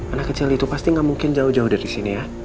anak kecil itu pasti gak mungkin jauh jauh dari sini ya